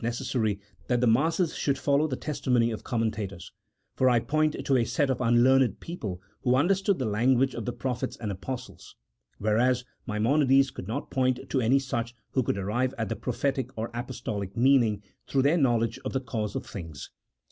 necessary that the masses should follow the testimony of commentators, for I point to a set of unlearned people who understood the language of the prophets and apostles; whereas Maimonides could not point to any such who could arrive at the prophetic or apostolic meaning through their knowledge of the causes of things.